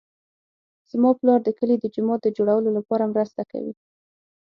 زما پلار د کلي د جومات د جوړولو لپاره مرسته کوي